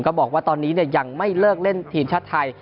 บอกว่าตอนนี้ยังไม่เลิกเล่นทีมชาติไทย